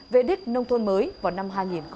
vệ đích nông thôn mới vào năm hai nghìn một mươi tám